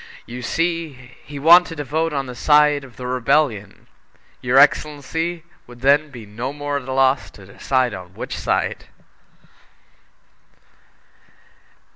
You see, he wanted to vote on the side of the Rebellion! Your excellency would then be no more at a loss to decide on which side!"